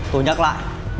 tôi nhắc lại